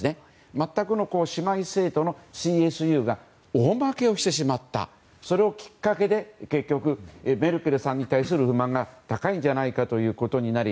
全くの姉妹政党のＣＳＵが大負けをしてしまったことがきっかけで結局、メルケルさんに対する不満が高いんじゃないかということになり